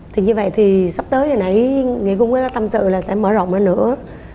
thì như vậy thì sắp tới hồi nãy nghị cung đã tâm sự là sẽ mở rộng ra nữa